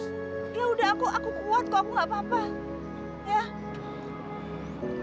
yaudah aku aku kuat kok aku gak apa apa